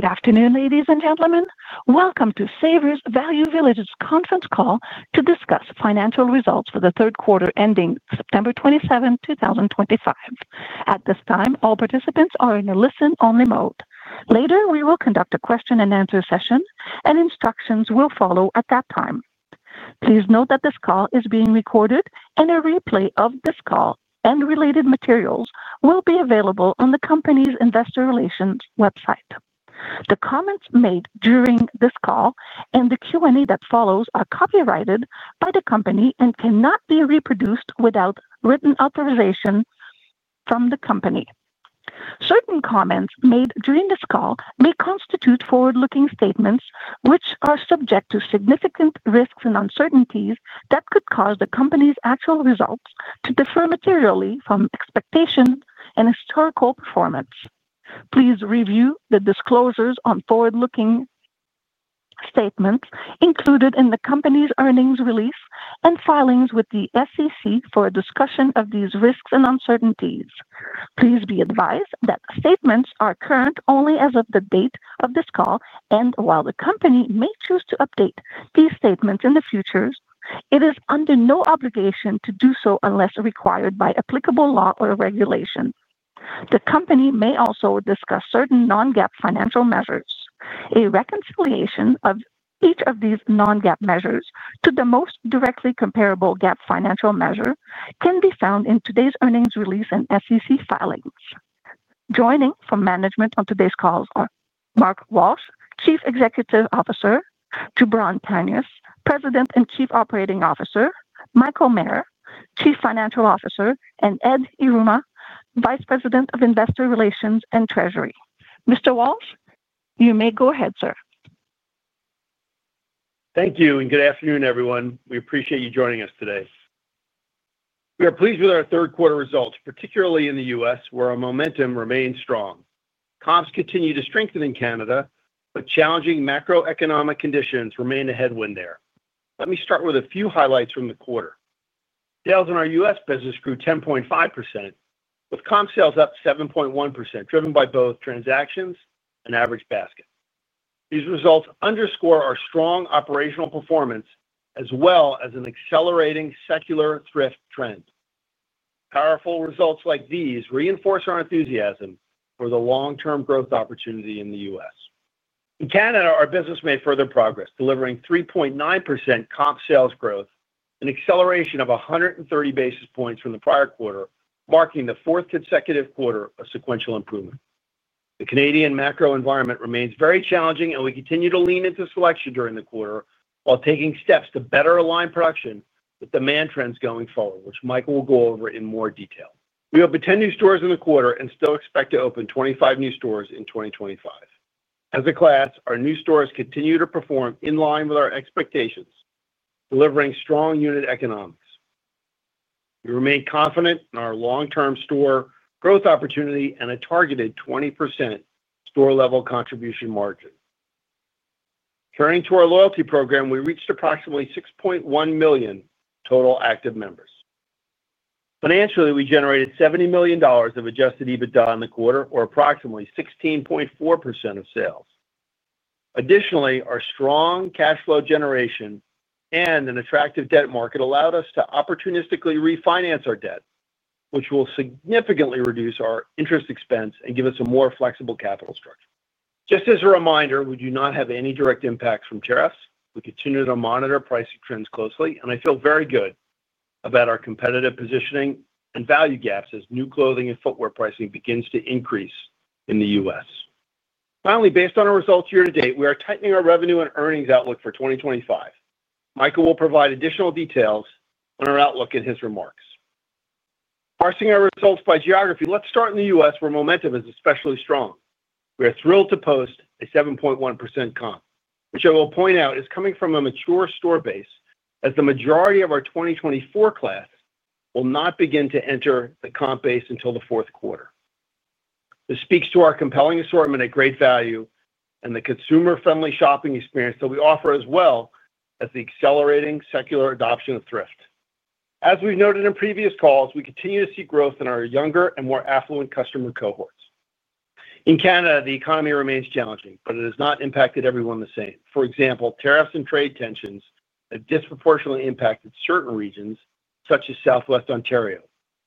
Good afternoon, ladies and gentlemen. Welcome to Savers Value Village's conference call to discuss financial results for the third quarter ending September 27, 2025. At this time, all participants are in a listen-only mode. Later, we will conduct a question-and-answer session, and instructions will follow at that time. Please note that this call is being recorded, and a replay of this call and related materials will be available on the company's investor relations website. The comments made during this call and the Q&A that follows are copyrighted by the company and cannot be reproduced without written authorization from the company. Certain comments made during this call may constitute forward-looking statements, which are subject to significant risks and uncertainties that could cause the company's actual results to differ materially from expectations and historical performance. Please review the disclosures on forward-looking statements included in the company's earnings release and filings with the SEC for a discussion of these risks and uncertainties. Please be advised that statements are current only as of the date of this call, and while the company may choose to update these statements in the future, it is under no obligation to do so unless required by applicable law or regulation. The company may also discuss certain non-GAAP financial measures. A reconciliation of each of these non-GAAP measures to the most directly comparable GAAP financial measure can be found in today's earnings release and SEC filings. Joining from management on today's call are Mark Walsh, Chief Executive Officer, Jubran Tanious, President and Chief Operating Officer, Michael Maher, Chief Financial Officer, and Ed Yruma, Vice President of Investor Relations and Treasury. Mr. Walsh, you may go ahead, sir. Thank you, and good afternoon, everyone. We appreciate you joining us today. We are pleased with our third-quarter results, particularly in the U.S., where our momentum remains strong. Comps continued to strengthen in Canada, but challenging macro-economic conditions remain a headwind there. Let me start with a few highlights from the quarter. Sales in our U.S. business grew 10.5%, with comps sales up 7.1%, driven by both transactions and average basket. These results underscore our strong operational performance as well as an accelerating secular thrift trend. Powerful results like these reinforce our enthusiasm for the long-term growth opportunity in the U.S. In Canada, our business made further progress, delivering 3.9% comps sales growth, an acceleration of 130 basis points from the prior quarter, marking the fourth consecutive quarter of sequential improvement. The Canadian macro environment remains very challenging, and we continue to lean into selection during the quarter while taking steps to better align production with demand trends going forward, which Michael will go over in more detail. We opened 10 new stores in the quarter and still expect to open 25 new stores in 2025. As a class, our new stores continue to perform in line with our expectations, delivering strong unit economics. We remain confident in our long-term store growth opportunity and a targeted 20% store-level contribution margin. Turning to our loyalty program, we reached approximately 6.1 million total active members. Financially, we generated $70 million of adjusted EBITDA in the quarter, or approximately 16.4% of sales. Additionally, our strong cash flow generation and an attractive debt market allowed us to opportunistically refinance our debt, which will significantly reduce our interest expense and give us a more flexible capital structure. Just as a reminder, we do not have any direct impacts from tariffs. We continue to monitor pricing trends closely, and I feel very good about our competitive positioning and value gaps as new clothing and footwear pricing begins to increase in the U.S. Finally, based on our results year to date, we are tightening our revenue and earnings outlook for 2025. Michael will provide additional details on our outlook in his remarks. Parsing our results by geography, let's start in the U.S., where momentum is especially strong. We are thrilled to post a 7.1% comp, which I will point out is coming from a mature store base, as the majority of our 2024 class will not begin to enter the comp base until the fourth quarter. This speaks to our compelling assortment at great value and the consumer-friendly shopping experience that we offer, as well as the accelerating secular thrift adoption. As we've noted in previous calls, we continue to see growth in our younger and more affluent customer cohorts. In Canada, the economy remains challenging, but it has not impacted everyone the same. For example, tariffs and trade tensions have disproportionately impacted certain regions, such as Southwest Ontario,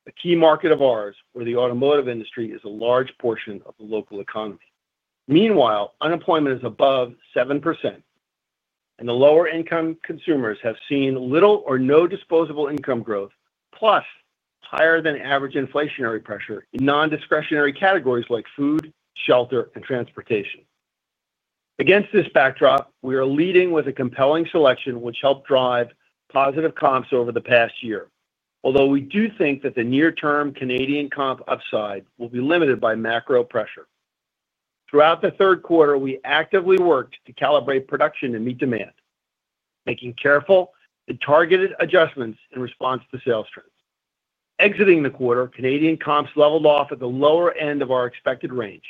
a key market of ours where the automotive industry is a large portion of the local economy. Meanwhile, unemployment is above 7%, and the lower-income consumers have seen little or no disposable income growth, plus higher-than-average inflationary pressure in non-discretionary categories like food, shelter, and transportation. Against this backdrop, we are leading with a compelling selection, which helped drive positive comps over the past year, although we do think that the near-term Canadian comp upside will be limited by macro-economic headwinds. Throughout the third quarter, we actively worked to calibrate production to meet demand, making careful and targeted adjustments in response to sales trends. Exiting the quarter, Canadian comps leveled off at the lower end of our expected range,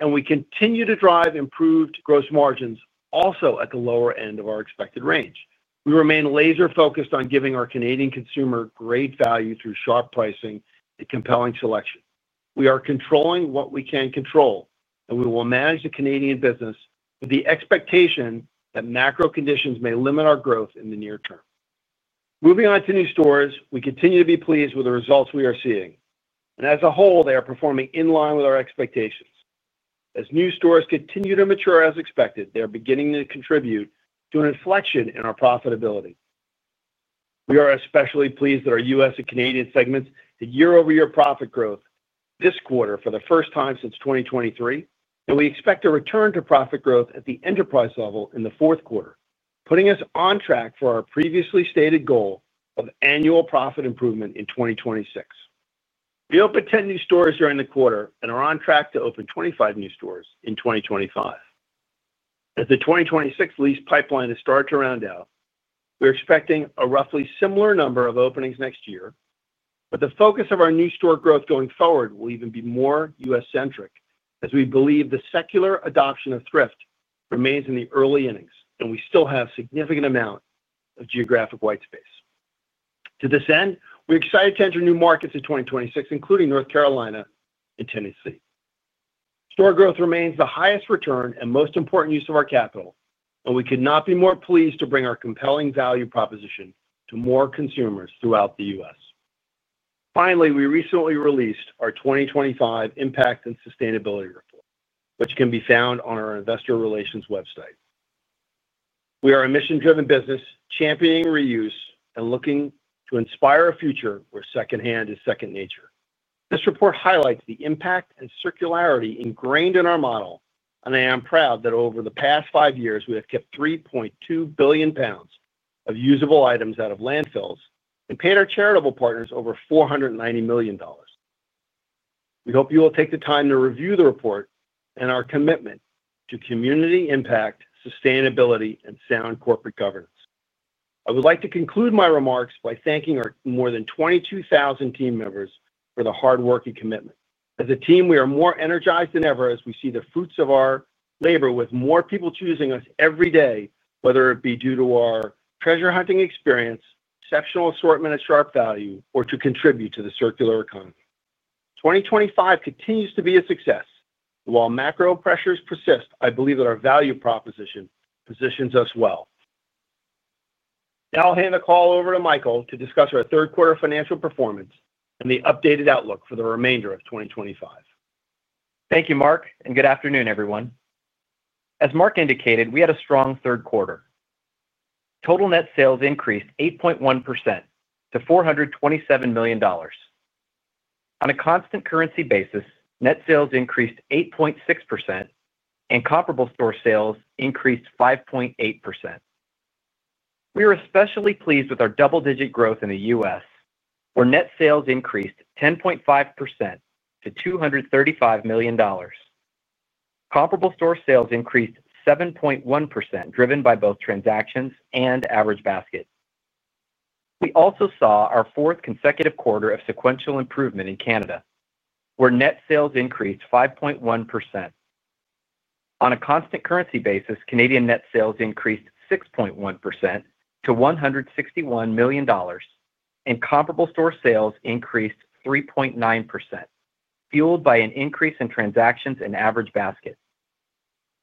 and we continue to drive improved gross margins also at the lower end of our expected range. We remain laser-focused on giving our Canadian consumer great value through sharp pricing and compelling selection. We are controlling what we can control, and we will manage the Canadian business with the expectation that macro conditions may limit our growth in the near term. Moving on to new stores, we continue to be pleased with the results we are seeing, and as a whole, they are performing in line with our expectations. As new stores continue to mature as expected, they are beginning to contribute to an inflection in our profitability. We are especially pleased that our U.S. and Canadian segments had year-over-year profit growth this quarter for the first time since 2023, and we expect a return to profit growth at the enterprise level in the fourth quarter, putting us on track for our previously stated goal of annual profit improvement in 2026. We opened 10 new stores during the quarter and are on track to open 25 new stores in 2025. As the 2026 lease pipeline has started to round out, we're expecting a roughly similar number of openings next year, but the focus of our new store growth going forward will even be more U.S.-centric as we believe the secular adoption of thrift remains in the early innings and we still have a significant amount of geographic white space. To this end, we're excited to enter new markets in 2026, including North Carolina and Tennessee. Store growth remains the highest return and most important use of our capital, and we could not be more pleased to bring our compelling value proposition to more consumers throughout the U.S. Finally, we recently released our 2025 Impact and Sustainability Report, which can be found on our investor relations website. We are a mission-driven business championing reuse and looking to inspire a future where secondhand is second nature. This report highlights the impact and circularity ingrained in our model, and I am proud that over the past five years, we have kept 3.2 billion lb of usable items out of landfills and paid our charitable partners over $490 million. We hope you will take the time to review the report and our commitment to community impact, sustainability, and sound corporate governance. I would like to conclude my remarks by thanking our more than 22,000 team members for the hard work and commitment. As a team, we are more energized than ever as we see the fruits of our labor, with more people choosing us every day, whether it be due to our treasure-hunting experience, exceptional assortment at sharp value, or to contribute to the circular economy. 2025 continues to be a success, and while macro pressures persist, I believe that our value proposition positions us well. Now I'll hand the call over to Michael to discuss our third-quarter financial performance and the updated outlook for the remainder of 2025. Thank you, Mark, and good afternoon, everyone. As Mark indicated, we had a strong third quarter. Total net sales increased 8.1% to $427 million. On a constant currency basis, net sales increased 8.6%, and comparable store sales increased 5.8%. We are especially pleased with our double-digit growth in the U.S., where net sales increased 10.5% to $235 million. Comparable store sales increased 7.1%, driven by both transactions and average basket. We also saw our fourth consecutive quarter of sequential improvement in Canada, where net sales increased 5.1%. On a constant currency basis, Canadian net sales increased 6.1% to $161 million, and comparable store sales increased 3.9%, fueled by an increase in transactions and average basket.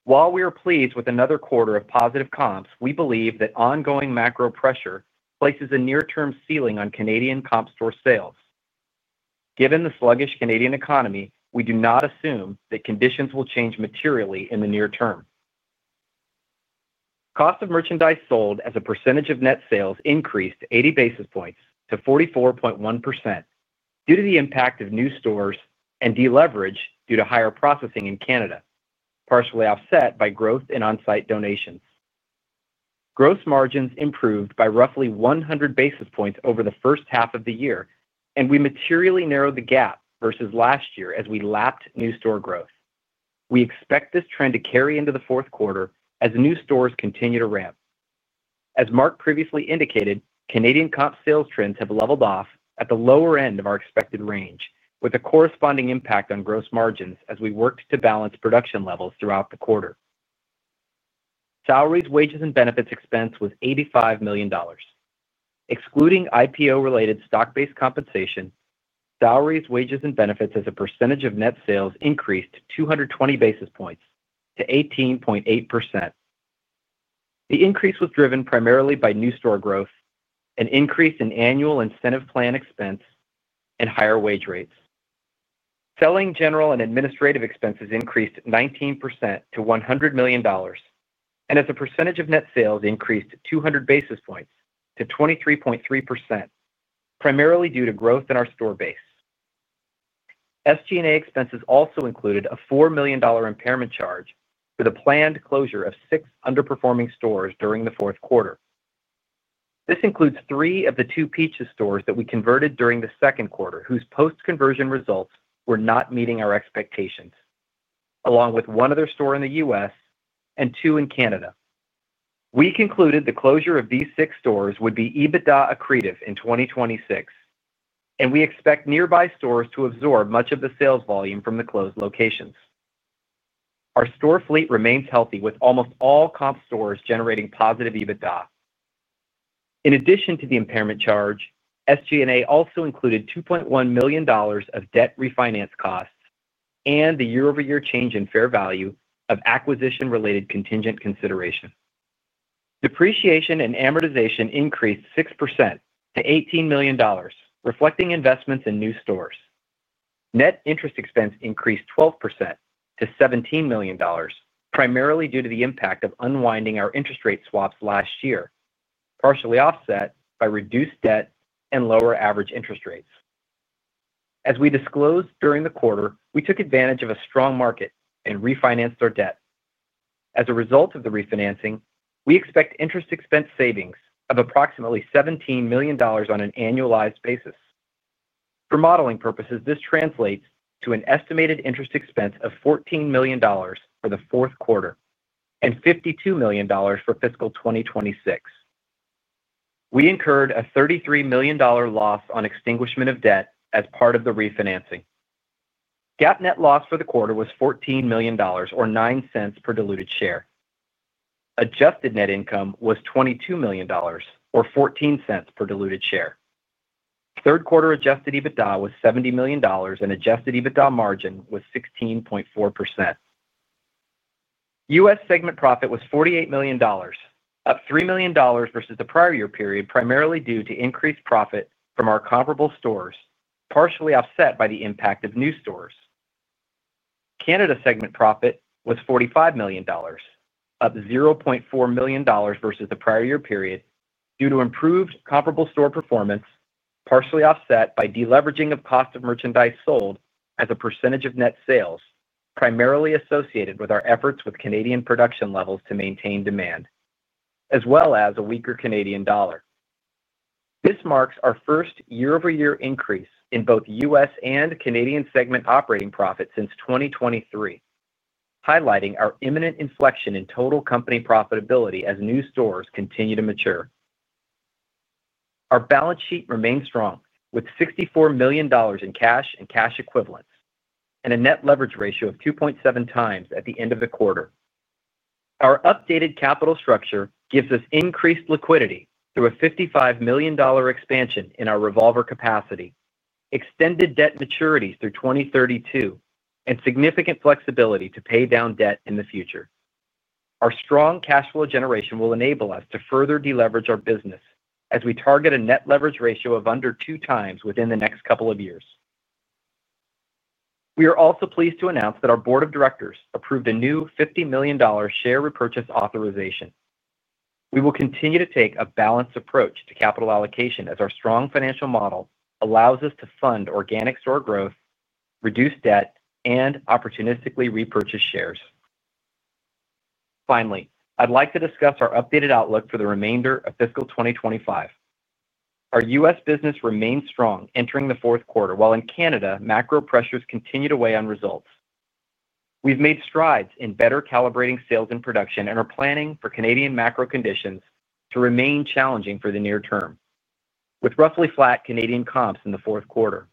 While we are pleased with another quarter of positive comps, we believe that ongoing macro pressure places a near-term ceiling on Canadian comps store sales. Given the sluggish Canadian economy, we do not assume that conditions will change materially in the near term. Cost of merchandise sold as a percentage of net sales increased 80 basis points to 44.1% due to the impact of new stores and deleverage due to higher processing in Canada, partially offset by growth in on-site donations. Gross margins improved by roughly 100 basis points over the first half of the year, and we materially narrowed the gap versus last year as we lapped new store growth. We expect this trend to carry into the fourth quarter as new stores continue to ramp. As Mark previously indicated, Canadian comps sales trends have leveled off at the lower end of our expected range, with a corresponding impact on gross margins as we worked to balance production levels throughout the quarter. Salaries, wages, and benefits expense was $85 million. Excluding IPO-related stock-based compensation, salaries, wages, and benefits as a percentage of net sales increased 220 basis points to 18.8%. The increase was driven primarily by new store growth, an increase in annual incentive plan expense, and higher wage rates. Selling, general, and administrative expenses increased 19% to $100 million, and as a percentage of net sales increased 200 basis points to 23.3%, primarily due to growth in our store base. SG&A expenses also included a $4 million impairment charge for the planned closure of six underperforming stores during the fourth quarter. This includes three of the 2 Peaches stores that we converted during the second quarter, whose post-conversion results were not meeting our expectations, along with one other store in the U.S. and two in Canada. We concluded the closure of these six stores would be EBITDA accretive in 2026, and we expect nearby stores to absorb much of the sales volume from the closed locations. Our store fleet remains healthy, with almost all comps stores generating positive EBITDA. In addition to the impairment charge, SG&A also included $2.1 million of debt refinance costs and the year-over-year change in fair value of acquisition-related contingent consideration. Depreciation and amortization increased 6% to $18 million, reflecting investments in new stores. Net interest expense increased 12% to $17 million, primarily due to the impact of unwinding our interest rate swaps last year, partially offset by reduced debt and lower average interest rates. As we disclosed during the quarter, we took advantage of a strong market and refinanced our debt. As a result of the refinancing, we expect interest expense savings of approximately $17 million on an annualized basis. For modeling purposes, this translates to an estimated interest expense of $14 million for the fourth quarter and $52 million for fiscal 2026. We incurred a $33 million loss on extinguishment of debt as part of the refinancing. GAAP net loss for the quarter was $14 million, or $0.09 per diluted share. Adjusted net income was $22 million, or $0.14 per diluted share. Third-quarter adjusted EBITDA was $70 million, and adjusted EBITDA margin was 16.4%. U.S. segment profit was $48 million, up $3 million versus the prior year period, primarily due to increased profit from our comparable stores, partially offset by the impact of new stores. Canada segment profit was $45 million, up $0.4 million versus the prior year period, due to improved comparable store performance, partially offset by deleveraging of cost of merchandise sold as a percentage of net sales, primarily associated with our efforts with Canadian production levels to maintain demand, as well as a weaker Canadian dollar. This marks our first year-over-year increase in both U.S. and Canadian segment operating profit since 2023, highlighting our imminent inflection in total company profitability as new stores continue to mature. Our balance sheet remains strong, with $64 million in cash and cash equivalents and a net leverage ratio of 2.7x at the end of the quarter. Our updated capital structure gives us increased liquidity through a $55 million expansion in our revolver capacity, extended debt maturities through 2032, and significant flexibility to pay down debt in the future. Our strong cash flow generation will enable us to further deleverage our business as we target a net leverage ratio of under 2x within the next couple of years. We are also pleased to announce that our board of directors approved a new $50 million share repurchase authorization. We will continue to take a balanced approach to capital allocation as our strong financial model allows us to fund organic store growth, reduce debt, and opportunistically repurchase shares. Finally, I'd like to discuss our updated outlook for the remainder of fiscal 2025. Our U.S. business remains strong entering the fourth quarter, while in Canada, macro pressures continued to weigh on results. We've made strides in better calibrating sales and production and are planning for Canadian macro conditions to remain challenging for the near term, with roughly flat Canadian comps in the fourth quarter.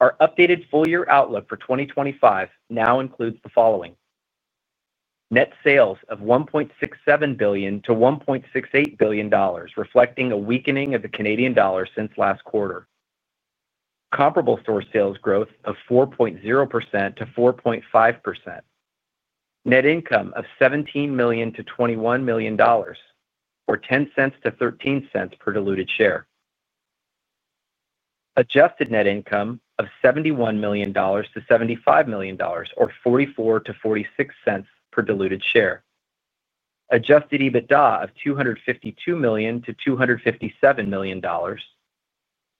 Our updated full-year outlook for 2025 now includes the following. Net sales of $1.67 billion-$1.68 billion, reflecting a weakening of the Canadian dollar since last quarter. Comparable store sales growth of 4.0%-4.5%. Net income of $17 million-$21 million, or $0.10-$0.13 per diluted share. Adjusted net income of $71 million-$75 million, or $0.44-$0.46 per diluted share. Adjusted EBITDA of $252 million-$257 million.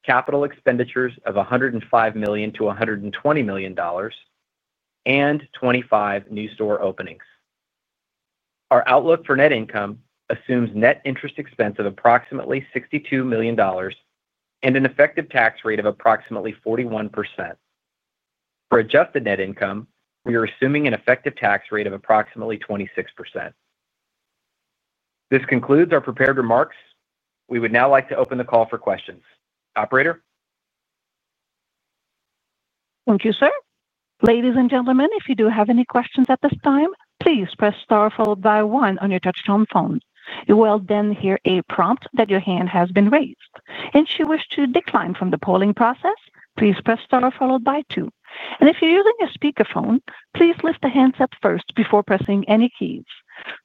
Capital expenditures of $105 million-$120 million, and 25 new store openings. Our outlook for net income assumes net interest expense of approximately $62 million and an effective tax rate of approximately 41%. For adjusted net income, we are assuming an effective tax rate of approximately 26%. This concludes our prepared remarks. We would now like to open the call for questions. Operator. Thank you, sir. Ladies and gentlemen, if you do have any questions at this time, please press star followed by one on your touch-tone phone. You will then hear a prompt that your hand has been raised. If you wish to decline from the polling process, please press star followed by two. If you're using a speakerphone, please lift the hands up first before pressing any keys.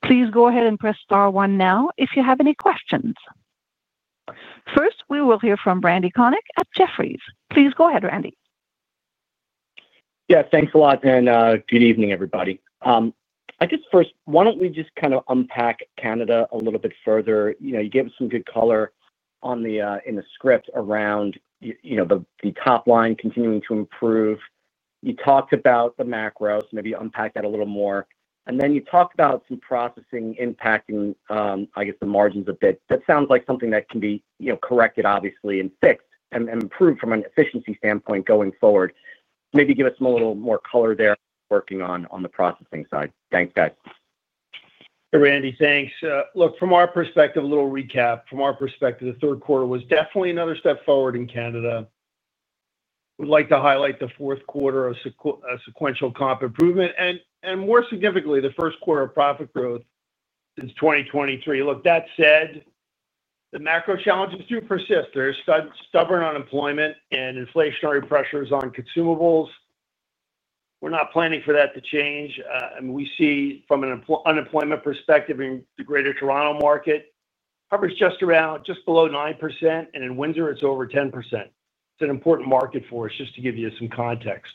Please go ahead and press star one now if you have any questions. First, we will hear from Randy Konik at Jefferies. Please go ahead, Randy. Yeah, thanks a lot, and good evening, everybody. I guess first, why don't we just kind of unpack Canada a little bit further? You gave us some good color in the script around the top line continuing to improve. You talked about the macros, maybe unpack that a little more. Then you talked about some processing impacting, I guess, the margins a bit. That sounds like something that can be corrected, obviously, and fixed and improved from an efficiency standpoint going forward. Maybe give us some a little more color there working on the processing side. Thanks, guys. Randy, thanks. Look, from our perspective, a little recap. From our perspective, the third quarter was definitely another step forward in Canada. We'd like to highlight the fourth quarter of sequential comp improvement and, more significantly, the first quarter of profit growth since 2023. That said, the macro challenges do persist. There's stubborn unemployment and inflationary pressures on consumables. We're not planning for that to change. We see, from an unemployment perspective in the greater Toronto market, coverage just below 9%, and in Windsor, it's over 10%. It's an important market for us, just to give you some context.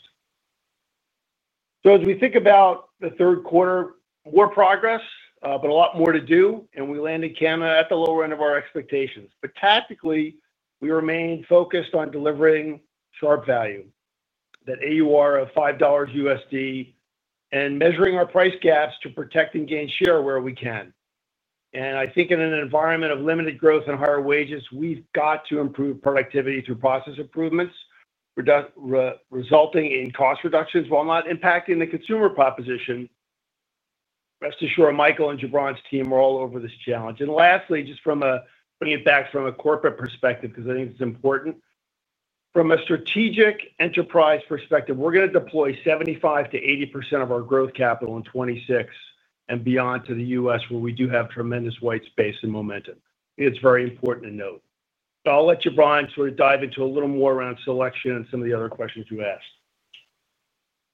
As we think about the third quarter, more progress, but a lot more to do, and we landed Canada at the lower end of our expectations. Tactically, we remain focused on delivering sharp value, that AUR of $5 USD, and measuring our price gaps to protect and gain share where we can. I think in an environment of limited growth and higher wages, we've got to improve productivity through process improvements, resulting in cost reductions while not impacting the consumer proposition. Rest assured, Michael and Jubran's team are all over this challenge. Lastly, just bringing it back from a corporate perspective, because I think it's important, from a strategic enterprise perspective, we're going to deploy 75%-80% of our growth capital in 2026 and beyond to the U.S., where we do have tremendous white space and momentum. I think it's very important to note. I'll let Jubran sort of dive into a little more around selection and some of the other questions you asked.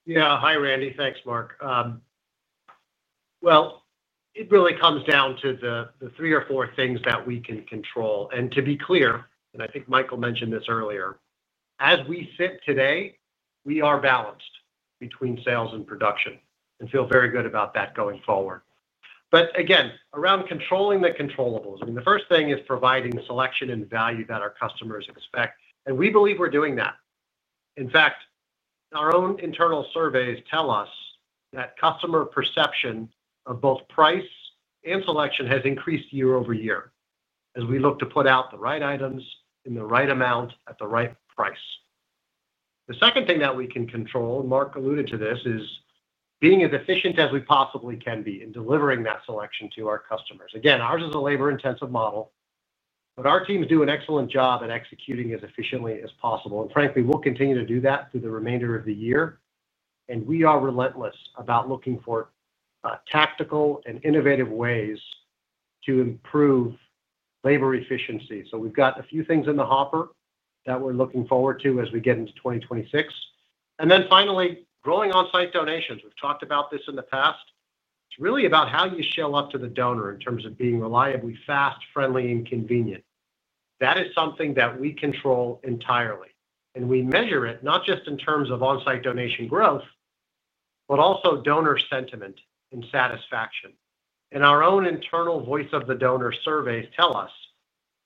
Yeah. Hi, Randy. Thanks, Mark. It really comes down to the three or four things that we can control. To be clear, and I think Michael mentioned this earlier, as we sit today, we are balanced between sales and production and feel very good about that going forward. Again, around controlling the controllables, the first thing is providing selection and value that our customers expect. We believe we're doing that. In fact, our own internal surveys tell us that customer perception of both price and selection has increased year-over-year as we look to put out the right items in the right amount at the right price. The second thing that we can control, and Mark alluded to this, is being as efficient as we possibly can be in delivering that selection to our customers. Ours is a labor-intensive model, but our teams do an excellent job at executing as efficiently as possible. Frankly, we'll continue to do that through the remainder of the year. We are relentless about looking for tactical and innovative ways to improve labor efficiency. We've got a few things in the hopper that we're looking forward to as we get into 2026. Finally, growing on-site donations. We've talked about this in the past. It's really about how you show up to the donor in terms of being reliably fast, friendly, and convenient. That is something that we control entirely. We measure it not just in terms of on-site donation growth, but also donor sentiment and satisfaction. Our own internal voice of the donor surveys tell us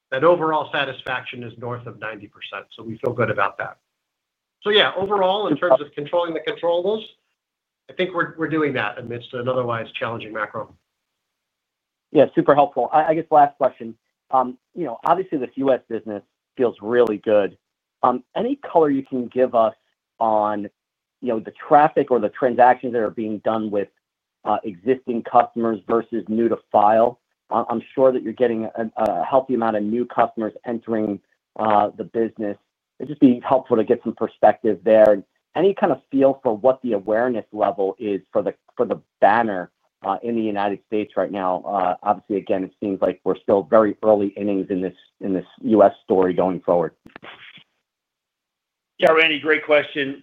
that overall satisfaction is north of 90%. We feel good about that. Overall, in terms of controlling the controls, I think we're doing that amidst an otherwise challenging macro. Yeah, super helpful. I guess last question. Obviously, this U.S. business feels really good. Any color you can give us on the traffic or the transactions that are being done with existing customers versus new to file? I'm sure that you're getting a healthy amount of new customers entering the business. It'd just be helpful to get some perspective there. Any kind of feel for what the awareness level is for the banner in the United States right now? Obviously, again, it seems like we're still very early innings in this U.S. story going forward. Yeah, Randy, great question.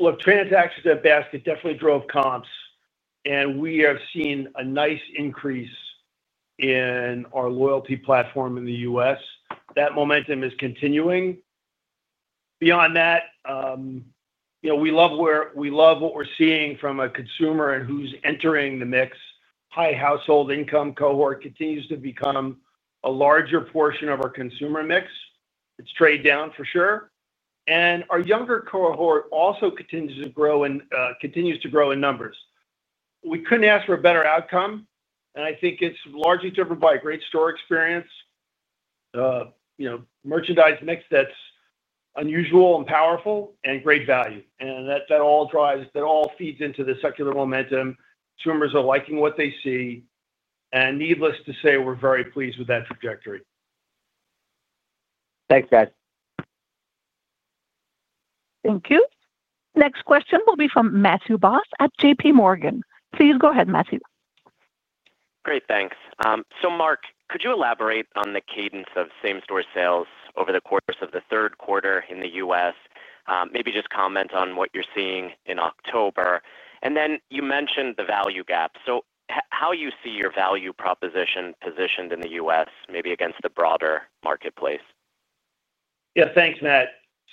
Look, transactions at basket definitely drove comps. We have seen a nice increase in our loyalty program in the U.S. That momentum is continuing. Beyond that, we love what we're seeing from a consumer and who's entering the mix. High household income cohort continues to become a larger portion of our consumer mix. It's trade down for sure. Our younger cohort also continues to grow in numbers. We couldn't ask for a better outcome. I think it's largely driven by great store experience, merchandise mix that's unusual and powerful, and great value. That all feeds into the secular momentum. Consumers are liking what they see. Needless to say, we're very pleased with that trajectory. Thanks, guys. Thank you. Next question will be from Matthew Boss at JPMorgan. Please go ahead, Matthew. Great, thanks. Mark, could you elaborate on the cadence of same-store sales over the course of the third quarter in the U.S.? Maybe just comment on what you're seeing in October. You mentioned the value gap. How do you see your value proposition positioned in the U.S., maybe against the broader marketplace? Yeah, thanks, Matt.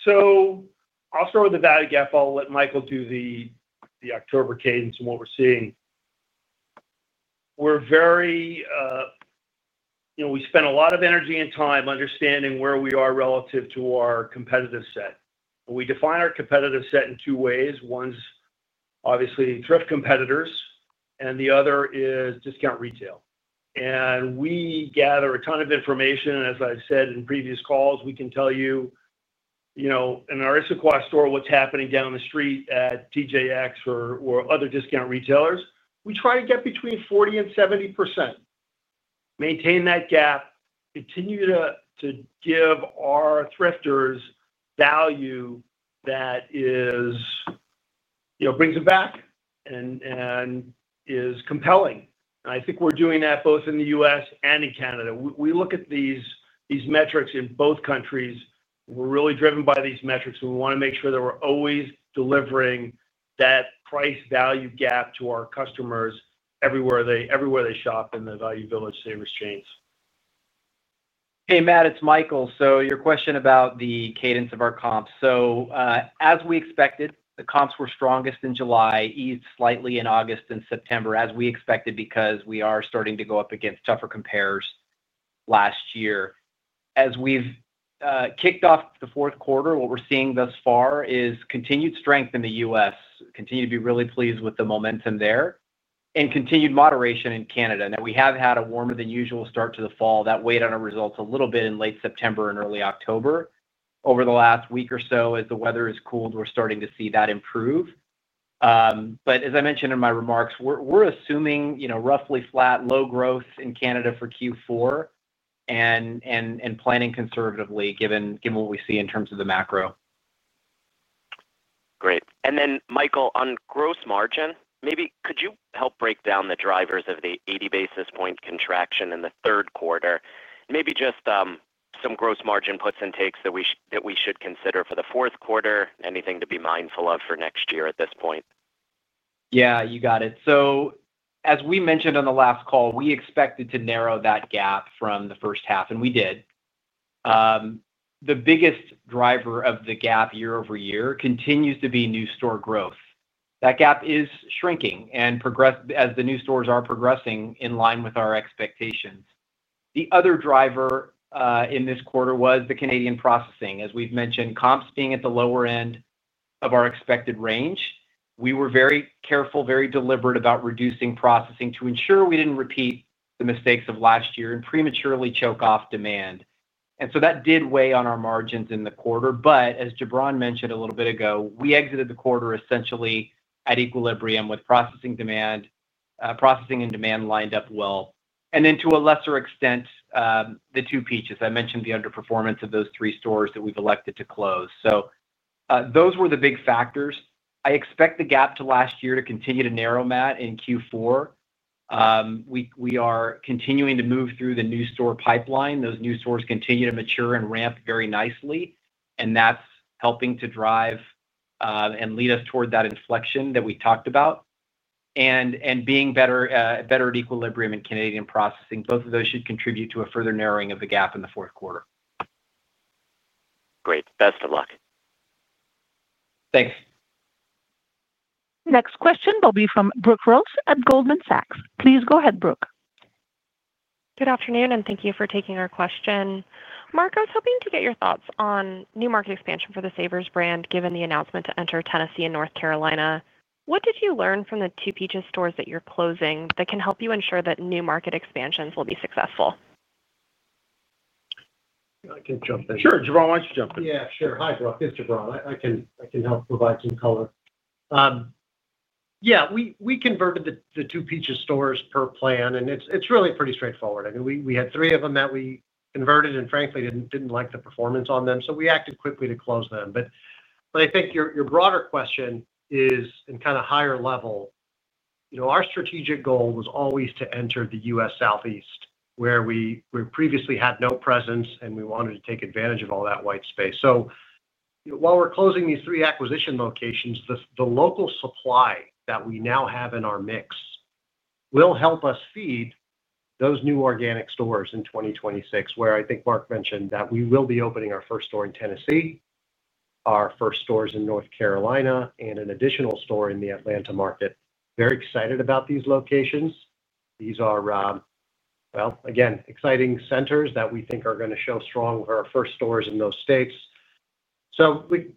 I'll start with the value gap. I'll let Michael do the October cadence and what we're seeing. We spend a lot of energy and time understanding where we are relative to our competitive set. We define our competitive set in two ways. One is obviously thrift competitors, and the other is discount retail. We gather a ton of information. As I said in previous calls, we can tell you in our Issaquah store what's happening down the street at TJX or other discount retailers. We try to get between 40% and 70%, maintain that gap, continue to give our thrifters value that brings them back and is compelling. I think we're doing that both in the U.S. and in Canada. We look at these metrics in both countries. We're really driven by these metrics, and we want to make sure that we're always delivering that price-value gap to our customers everywhere they shop in the Value Village Savers chains. Hey, Matt, it's Michael. Your question about the cadence of our comps. As we expected, the comps were strongest in July, eased slightly in August and September, as we expected because we are starting to go up against tougher comparers last year. As we've kicked off the fourth quarter, what we're seeing thus far is continued strength in the U.S., continued to be really pleased with the momentum there, and continued moderation in Canada. We have had a warmer-than-usual start to the fall that weighed on our results a little bit in late September and early October. Over the last week or so, as the weather has cooled, we're starting to see that improve. As I mentioned in my remarks, we're assuming roughly flat low growth in Canada for Q4 and planning conservatively given what we see in terms of the macro. Great. Michael, on gross margin, maybe could you help break down the drivers of the 80 basis point contraction in the third quarter? Maybe just some gross margin puts and takes that we should consider for the fourth quarter, anything to be mindful of for next year at this point. Yeah, you got it. As we mentioned on the last call, we expected to narrow that gap from the first half, and we did. The biggest driver of the gap year-over-year continues to be new store growth. That gap is shrinking as the new stores are progressing in line with our expectations. The other driver in this quarter was the Canadian processing. As we've mentioned, comps being at the lower end of our expected range. We were very careful, very deliberate about reducing processing to ensure we didn't repeat the mistakes of last year and prematurely choke off demand. That did weigh on our margins in the quarter. As Jubran mentioned a little bit ago, we exited the quarter essentially at equilibrium with processing and demand lined up well. To a lesser extent, the 2 Peaches. I mentioned the underperformance of those three stores that we've elected to close. Those were the big factors. I expect the gap to last year to continue to narrow, Matt, in Q4. We are continuing to move through the new store pipeline. Those new stores continue to mature and ramp very nicely. That's helping to drive and lead us toward that inflection that we talked about. Being better at equilibrium in Canadian processing, both of those should contribute to a further narrowing of the gap in the fourth quarter. Great. Best of luck. Thanks. Next question will be from Brooke Roach at Goldman Sachs. Please go ahead, Brooke. Good afternoon, and thank you for taking our question. Mark, I was hoping to get your thoughts on new market expansion for the Savers brand given the announcement to enter Tennessee and North Carolina. What did you learn from the 2 Peaches stores that you're closing that can help you ensure that new market expansions will be successful? I can jump in. Sure. Jubran, why don't you jump in? Yeah, sure. Hi, Brooke. It's Jubran. I can help provide some color. We converted the 2 Peaches stores per plan, and it's really pretty straightforward. We had three of them that we converted and, frankly, didn't like the performance on them. We acted quickly to close them. I think your broader question is, and kind of higher level, our strategic goal was always to enter the U.S. Southeast, where we previously had no presence, and we wanted to take advantage of all that white space. While we're closing these three acquisition locations, the local supply that we now have in our mix will help us feed those new organic stores in 2026, where I think Mark mentioned that we will be opening our first store in Tennessee, our first stores in North Carolina, and an additional store in the Atlanta market. Very excited about these locations. These are, again, exciting centers that we think are going to show strong for our first stores in those states.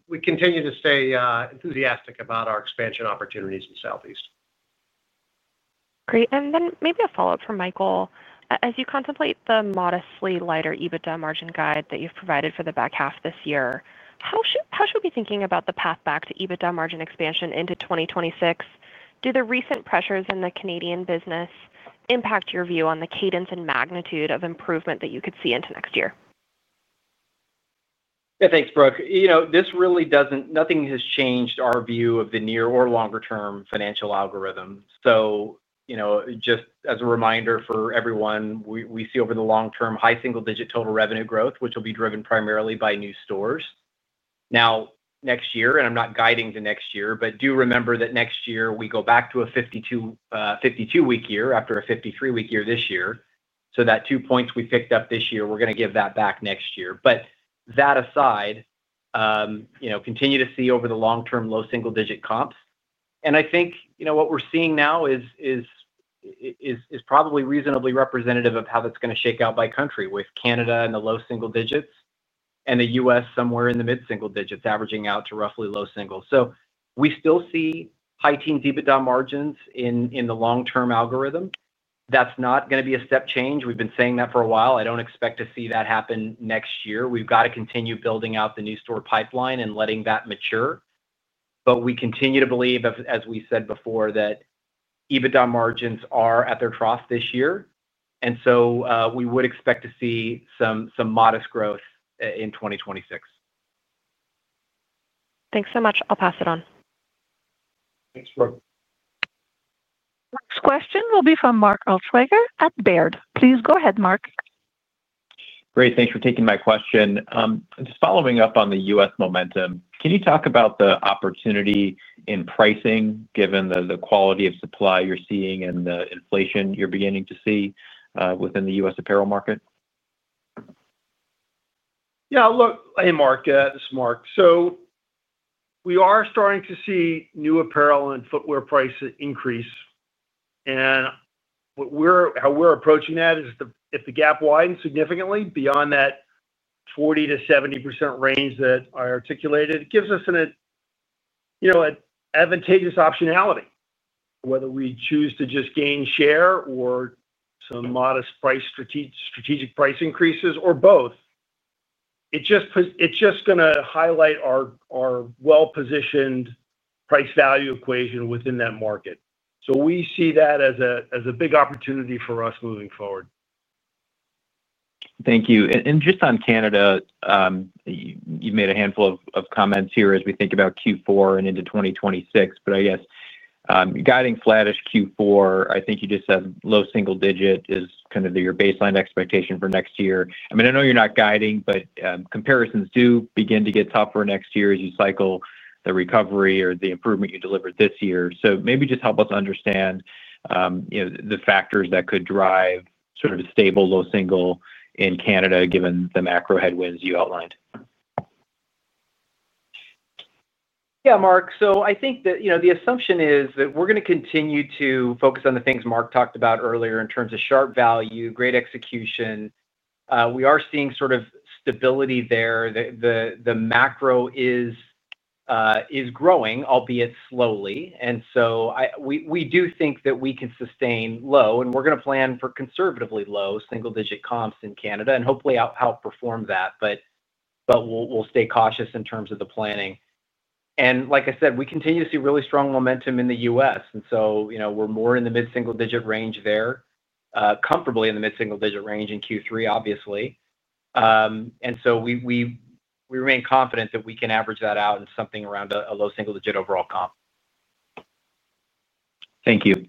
We continue to stay enthusiastic about our expansion opportunities in the Southeast. Great. Maybe a follow-up from Michael. As you contemplate the modestly lighter EBITDA margin guide that you've provided for the back half this year, how should we be thinking about the path back to EBITDA margin expansion into 2026? Do the recent pressures in the Canadian business impact your view on the cadence and magnitude of improvement that you could see into next year? Yeah, thanks, Brooke. This really doesn't—nothing has changed our view of the near or longer-term financial algorithm. Just as a reminder for everyone, we see over the long term high single-digit total revenue growth, which will be driven primarily by new stores. Now, next year, and I'm not guiding to next year, but do remember that next year we go back to a 52-week year after a 53-week year this year. That two points we picked up this year, we're going to give that back next year. That aside, continue to see over the long term low single-digit comps. I think what we're seeing now is probably reasonably representative of how that's going to shake out by country, with Canada in the low single digits and the U.S. somewhere in the mid-single digits, averaging out to roughly low single. We still see high teens EBITDA margins in the long-term algorithm. That's not going to be a step change. We've been saying that for a while. I don't expect to see that happen next year. We've got to continue building out the new store pipeline and letting that mature. We continue to believe, as we said before, that EBITDA margins are at their trough this year, and we would expect to see some modest growth in 2026. Thanks so much. I'll pass it on. Thanks, Brooke. Next question will be from Mark Altschwager at Baird. Please go ahead, Mark. Great. Thanks for taking my question. Just following up on the U.S. momentum, can you talk about the opportunity in pricing given the quality of supply you're seeing and the inflation you're beginning to see within the U.S. apparel market? Yeah. Look, hey, Mark. This is Mark. We are starting to see new apparel and footwear prices increase. How we're approaching that is if the gap widens significantly beyond that 40%-70% range that I articulated, it gives us an advantageous optionality. Whether we choose to just gain share or some modest strategic price increases or both, it's just going to highlight our well-positioned price-value equation within that market. We see that as a big opportunity for us moving forward. Thank you. Just on Canada, you've made a handful of comments here as we think about Q4 and into 2026. I guess guiding flattish Q4, I think you just said low single digit is kind of your baseline expectation for next year. I mean, I know you're not guiding, but comparisons do begin to get tougher next year as you cycle the recovery or the improvement you delivered this year. Maybe just help us understand the factors that could drive sort of a stable low single in Canada given the macro headwinds you outlined. Yeah, Mark. I think that the assumption is that we're going to continue to focus on the things Mark talked about earlier in terms of sharp value, great execution. We are seeing sort of stability there. The macro is growing, albeit slowly. We do think that we can sustain low, and we're going to plan for conservatively low single-digit comps in Canada and hopefully outperform that. We'll stay cautious in terms of the planning. Like I said, we continue to see really strong momentum in the U.S. We're more in the mid-single digit range there, comfortably in the mid-single digit range in Q3, obviously. We remain confident that we can average that out in something around a low single digit overall comp. Thank you.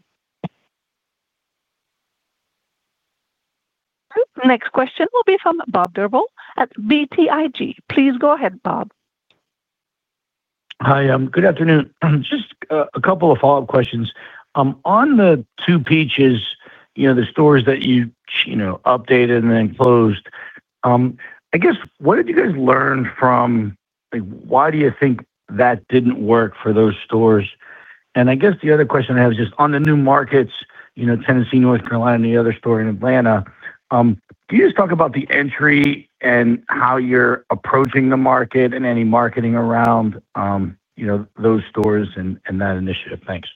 Next question will be from Bob Drbul at BTIG. Please go ahead, Bob. Hi. Good afternoon. Just a couple of follow-up questions. On the 2 Peaches, the stores that you updated and then closed, I guess, what did you guys learn from why do you think that didn't work for those stores? The other question I have is just on the new markets, Tennessee, North Carolina, and the other store in Atlanta. Can you just talk about the entry and how you're approaching the market and any marketing around. Those stores and that initiative? Thanks.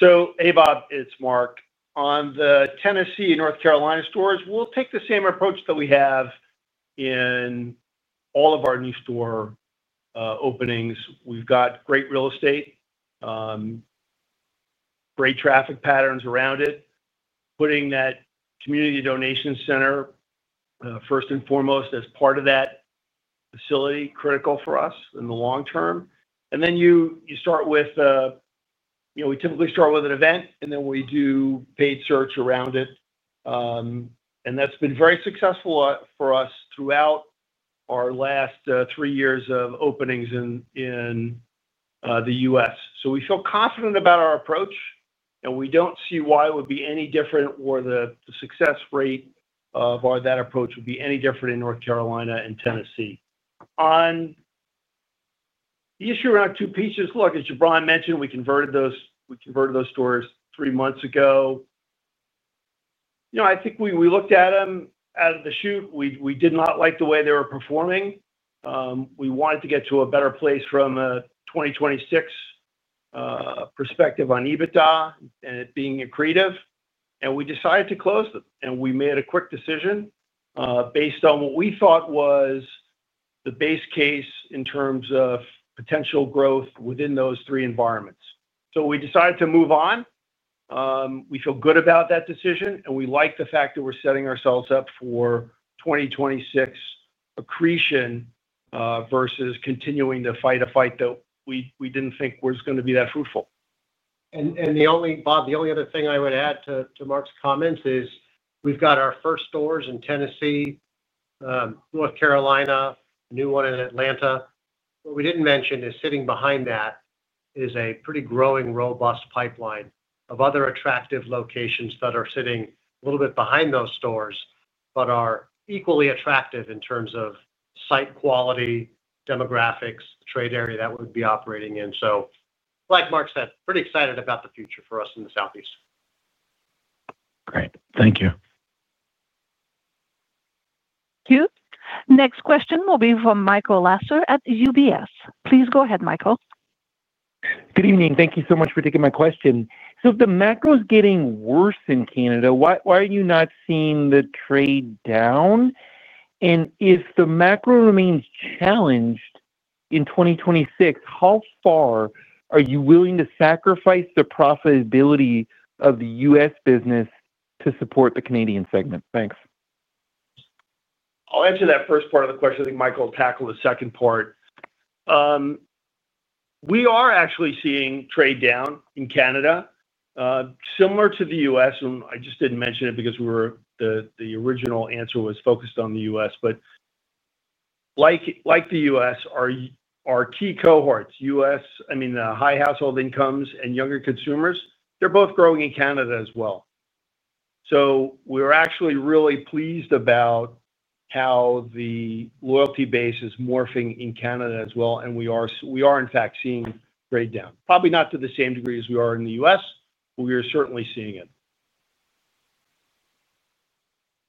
Hey, Bob, it's Mark. On the Tennessee, North Carolina stores, we'll take the same approach that we have in all of our new store openings. We've got great real estate, great traffic patterns around it, putting that community donation center first and foremost as part of that facility, critical for us in the long term. We typically start with an event, and then we do paid search around it. That's been very successful for us throughout our last three years of openings in the U.S. We feel confident about our approach, and we don't see why it would be any different or the success rate of that approach would be any different in North Carolina and Tennessee. On the issue around 2 Peaches, as Jubran mentioned, we converted those stores three months ago. I think we looked at them out of the chute. We did not like the way they were performing. We wanted to get to a better place from a 2026 perspective on EBITDA and it being accretive. We decided to close them, and we made a quick decision based on what we thought was the base case in terms of potential growth within those three environments. We decided to move on. We feel good about that decision, and we like the fact that we're setting ourselves up for 2026 accretion versus continuing to fight a fight that we didn't think was going to be that fruitful. Bob, the only other thing I would add to Mark's comments is we've got our first stores in Tennessee, North Carolina, a new one in Atlanta. What we didn't mention is sitting behind that is a pretty growing, robust pipeline of other attractive locations that are sitting a little bit behind those stores but are equally attractive in terms of site quality, demographics, trade area that we'd be operating in. Like Mark said, pretty excited about the future for us in the Southeast. Great. Thank you. Next question will be from Michael Lasser at UBS. Please go ahead, Michael. Good evening. Thank you so much for taking my question. If the macro is getting worse in Canada, why are you not seeing the trade down? If the macro remains challenged in 2026, how far are you willing to sacrifice the profitability of the U.S. business to support the Canadian segment? Thanks. I'll answer that first part of the question. I think Michael will tackle the second part. We are actually seeing trade down in Canada. Similar to the U.S., I just didn't mention it because the original answer was focused on the U.S. Like the U.S., our key cohorts, U.S., I mean, the high household incomes and younger consumers, they're both growing in Canada as well. We're actually really pleased about how the loyalty base is morphing in Canada as well. We are, in fact, seeing trade down, probably not to the same degree as we are in the U.S., but we are certainly seeing it.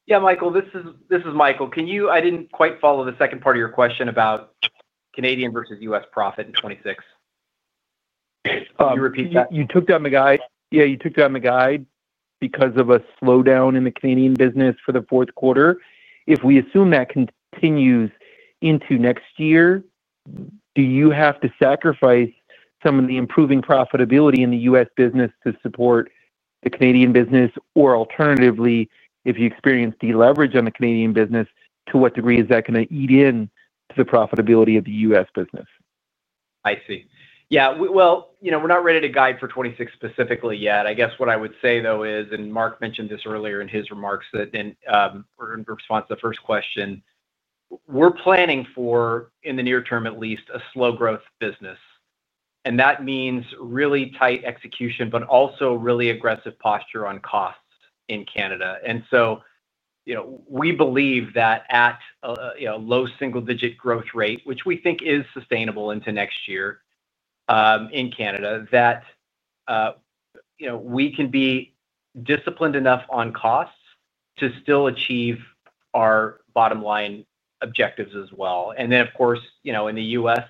Yeah, Michael. This is Michael. I didn't quite follow the second part of your question about Canadian versus U.S. profit in 2026. Could you repeat that? You took down the guide. Yeah, you took down the guide because of a slowdown in the Canadian business for the fourth quarter. If we assume that continues into next year, do you have to sacrifice some of the improving profitability in the U.S. business to support the Canadian business? Alternatively, if you experience deleverage on the Canadian business, to what degree is that going to eat into the profitability of the U.S. business? I see. We're not ready to guide for 2026 specifically yet. I guess what I would say, though, is, and Mark mentioned this earlier in his remarks in response to the first question, we're planning for, in the near term at least, a slow growth business. That means really tight execution, but also a really aggressive posture on costs in Canada. We believe that at a low single-digit growth rate, which we think is sustainable into next year in Canada, we can be disciplined enough on costs to still achieve our bottom line objectives as well. In the U.S.,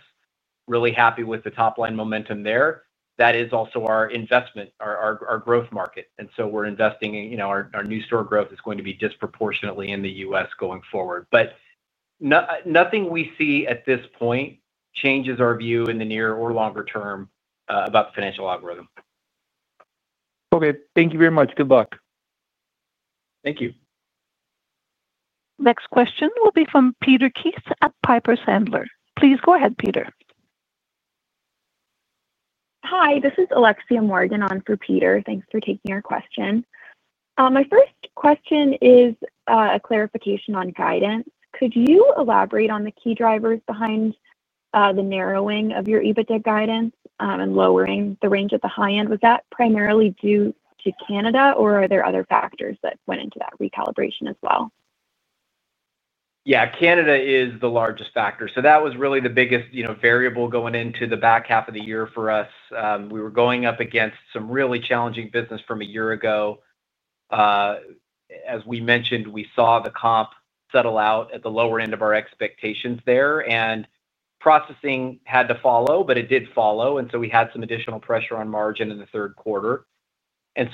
really happy with the top line momentum there. That is also our investment, our growth market, and our new store growth is going to be disproportionately in the U.S. going forward. Nothing we see at this point changes our view in the near or longer term about the financial algorithm. Thank you very much. Good luck. Thank you. Next question will be from Peter Keith at Piper Sandler. Please go ahead, Peter. Hi. This is Alexia Morgan on for Peter. Thanks for taking our question. My first question is a clarification on guidance. Could you elaborate on the key drivers behind the narrowing of your EBITDA guidance and lowering the range at the high end? Was that primarily due to Canada, or are there other factors that went into that recalibration as well? Yeah. Canada is the largest factor. That was really the biggest variable going into the back half of the year for us. We were going up against some really challenging business from a year ago. As we mentioned, we saw the comps settle out at the lower end of our expectations there. Processing had to follow, but it did follow. We had some additional pressure on margin in the third quarter. That's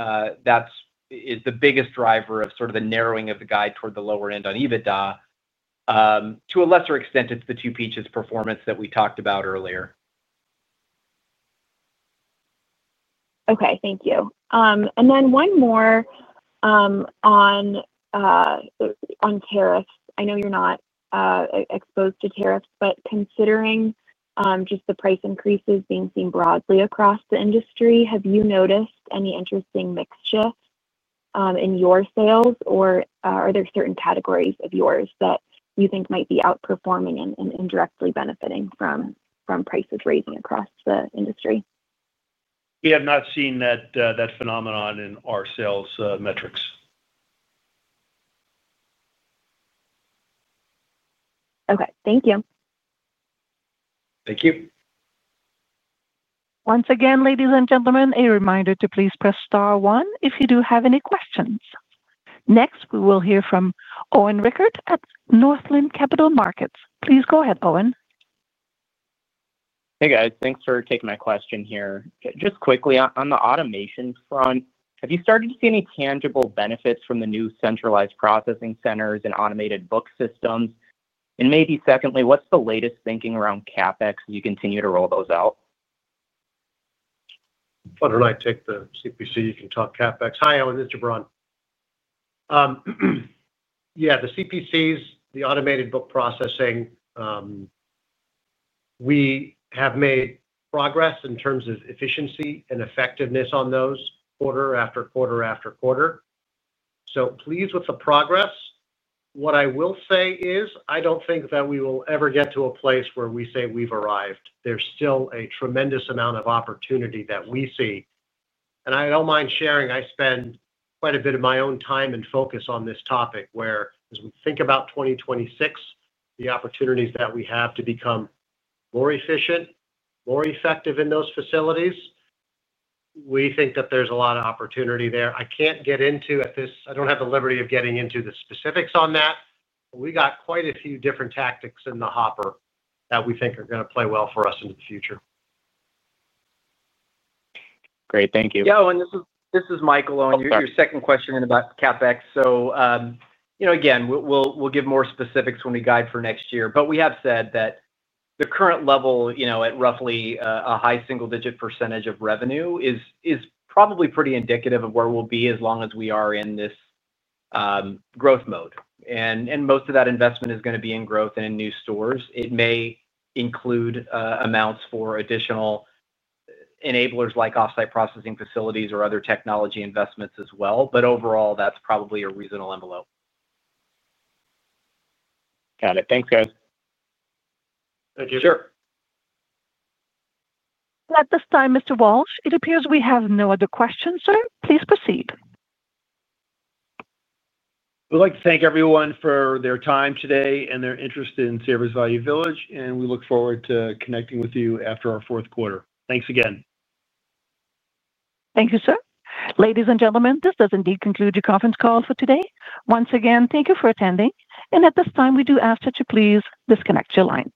the biggest driver of the narrowing of the guide toward the lower end on EBITDA. To a lesser extent, it's the 2 Peaches performance that we talked about earlier. Thank you. One more on tariffs. I know you're not exposed to tariffs, but considering just the price increases being seen broadly across the industry, have you noticed any interesting mixture in your sales, or are there certain categories of yours that you think might be outperforming and indirectly benefiting from prices raising across the industry? We have not seen that phenomenon in our sales metrics. Thank you. Once again, ladies and gentlemen, a reminder to please press star one if you do have any questions. Next, we will hear from Owen Rickert at Northland Capital Markets. Please go ahead, Owen. Hey, guys. Thanks for taking my question here. Just quickly, on the automation front, have you started to see any tangible benefits from the new centralized processing centers and automated book systems? Maybe secondly, what's the latest thinking around CapEx as you continue to roll those out? Why don't I take the CPC? You can talk CapEx. Hi, Owen. This is Jubran. The CPCs, the automated book processing. We have made progress in terms of efficiency and effectiveness on those quarter after quarter after quarter. Pleased with the progress. What I will say is I don't think that we will ever get to a place where we say we've arrived. There's still a tremendous amount of opportunity that we see. I don't mind sharing I spend quite a bit of my own time and focus on this topic where, as we think about 2026, the opportunities that we have to become more efficient, more effective in those facilities. We think that there's a lot of opportunity there. I can't get into, I don't have the liberty of getting into the specifics on that. We have quite a few different tactics in the hopper that we think are going to play well for us into the future. Great. Thank you. Owen, this is Michael on your second question about CapEx. Again, we'll give more specifics when we guide for next year. We have said that the current level at roughly a high single-digit percentage of revenue is probably pretty indicative of where we'll be as long as we are in this growth mode. Most of that investment is going to be in growth and in new stores. It may include amounts for additional enablers like off-site processing facilities or other technology investments as well. Overall, that's probably a reasonable envelope. Got it. Thanks, guys. Thank you. Sure. At this time, Mr. Walsh, it appears we have no other questions, sir. Please proceed. We'd like to thank everyone for their time today and their interest in Savers Value Village. We look forward to connecting with you after our fourth quarter. Thanks again. Thank you, sir. Ladies and gentlemen, this does indeed conclude your conference call for today. Once again, thank you for attending. At this time, we do ask that you please disconnect your line.